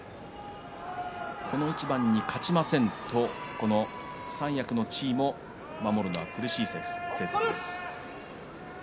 この一番に勝ちませんとこの三役の地位も守るのは苦しい成績です。